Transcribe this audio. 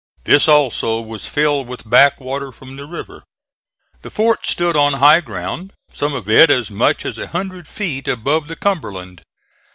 This also was filled with back water from the river. The fort stood on high ground, some of it as much as a hundred feet above the Cumberland.